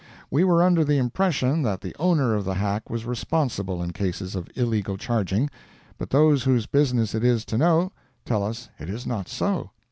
We were under the impression that the owner of the hack was responsible in cases of illegal charging, but those whose business it is to know, tell us it is not so.